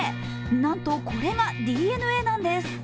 なんとこれがＤＮＡなんです。